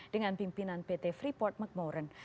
dengan pimpinan pt freeport mcmoran